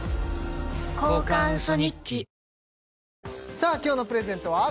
さあ今日のプレゼントは？